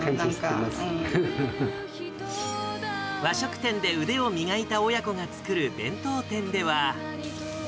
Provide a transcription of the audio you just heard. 和食店で腕を磨いた親子が作る弁当店では。